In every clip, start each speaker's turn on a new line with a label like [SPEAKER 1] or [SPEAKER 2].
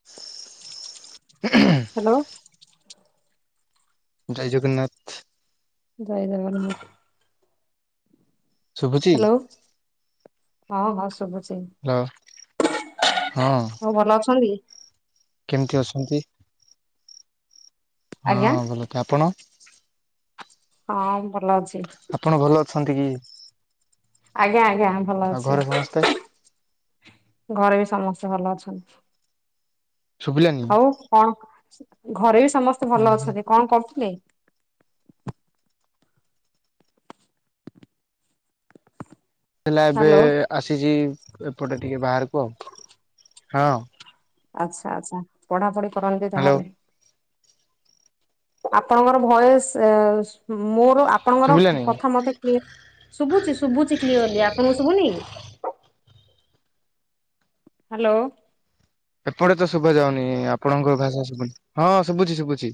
[SPEAKER 1] ହ
[SPEAKER 2] ହାଲୋ।
[SPEAKER 1] ଜୟ ଜଗନ୍ନାଥ।
[SPEAKER 2] ଜୟ ଜଗନ୍ନାଥ।
[SPEAKER 1] ଶୁଭୁଛି
[SPEAKER 2] ହାଲୋ ହଁ ହଁ ଶୁଭୁଚି।
[SPEAKER 1] ହଁ ହଁ।
[SPEAKER 2] ଆଉ ଭଲ ଅଛନ୍ତି?
[SPEAKER 1] କେମିତି ଅଛନ୍ତି? ହଁ
[SPEAKER 2] ଆଜ୍ଞା
[SPEAKER 1] ଭଲଛ ଆପଣ?
[SPEAKER 2] ହଁ ମୁଁ ଭଲ ଅଛି।
[SPEAKER 1] ଆପଣ ଭଲ ଅଛନ୍ତି କି?
[SPEAKER 2] ଆଜ୍ଞା ଆଜ୍ଞା ମୂ ଭଲ
[SPEAKER 1] ଆଉ
[SPEAKER 2] ଅଛି।
[SPEAKER 1] ଘରେ ସମସ୍ତେ?
[SPEAKER 2] ଘରେ ବି ସମସ୍ତେ ଭଲ ଅଛନ୍ତି।
[SPEAKER 1] ଶୁଭିଲାନି
[SPEAKER 2] ଆଉ କଣ, ଘରେ ବି ସମସ୍ତେ
[SPEAKER 1] ହୁଁ
[SPEAKER 2] ଭଲ
[SPEAKER 1] ହୁଁ
[SPEAKER 2] ଅଛନ୍ତି କଣ କରୁଥିଲେ?
[SPEAKER 1] ହେଲା ଏବେ
[SPEAKER 2] ହ୍ୟାଲୋ
[SPEAKER 1] ଆସିଚି। ଏପଟେ ଟିକେ ବାହାରକୁ ଆଉ। ହଁ।
[SPEAKER 2] ଆଚ୍ଛା ଆଚ୍ଛା ପଢାପଢି କରନ୍ତି
[SPEAKER 1] ହ୍ୟାଲୋ
[SPEAKER 2] ତାହେଲେ? ଆପଣଙ୍କର ଭୟସ ଏ ମୋର ଆପଣଙ୍କର
[SPEAKER 1] ଶୁଭିଲାନି
[SPEAKER 2] କଥା ମତେ କ୍ଲି ଶୁଭୁଚି ଶୁଭୁଚି କ୍ଲିୟରଲି ଆପଣଙ୍କୁ ଶୁଭୁନି? ହାଲୋ।
[SPEAKER 1] ଏପଟେ ତ ଶୁଭା ଯାଉନି ଆପଣଙ୍କ ଭାଷା ଶୁଭୁନି ହଁ ଶୁଭୁଚି ଶୁଭୁଚି।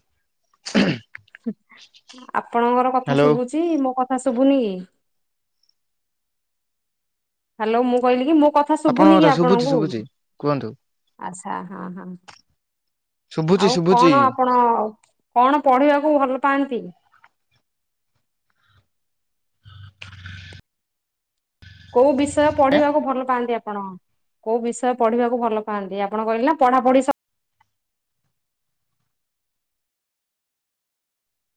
[SPEAKER 2] ଆପଣଙ୍କର କଥା
[SPEAKER 1] ହ୍ୟାଲୋ
[SPEAKER 2] ଶୁଭୁଚି। ମୋ କଥା ଶୁଭୁନି କି? ହାଲୋ ମୁଁ କହିଲି ମୋ କ ଥା
[SPEAKER 1] ଆପଣଙ୍କ
[SPEAKER 2] ଶୁଭୁନି କି
[SPEAKER 1] କଥା ଶୁଭୁଛି
[SPEAKER 2] ଆପଣଙ୍କୁ?
[SPEAKER 1] ଶୁଭୁଛି କୁହନ୍ତୁ
[SPEAKER 2] ଆଛା ହଁ ହଁ।
[SPEAKER 1] ଶୁଭୁଛି
[SPEAKER 2] ଆଉ
[SPEAKER 1] ଶୁଭୁଛି
[SPEAKER 2] କଣ ଆପଣ କଣ ପଢିବାକୁ ଭଲ ପାଆନ୍ତି? କୋଉ ବିଷୟ ପଢିବାକୁ ଭଲ ପାଆନ୍ତି ଆପଣ? କୋଉ ବିଷୟ ପଢିବାକୁ ଭଲ ପାଆନ୍ତି? ଆପଣ କହିଲେ ନା ପଢା ପଢି ସ